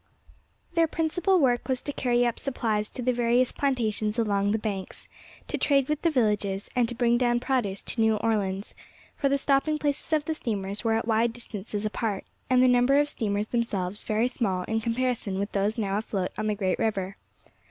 Their principal work was to carry up supplies to the various plantations along the banks, to trade with the villages, and to bring down produce to New Orleans; for the stopping places of the steamers were at wide distances apart, and the number of steamers themselves very small in comparison with those now afloat on the great river.